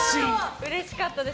うれしかったです。